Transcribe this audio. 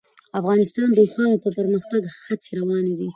افغانستان کې د اوښانو د پرمختګ هڅې روانې دي.